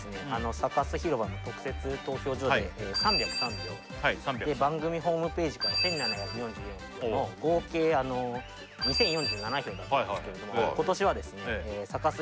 サカス広場の特設投票所で３０３票で番組ホームページから１７４４票の合計２０４７票だったんですけれども今年はですね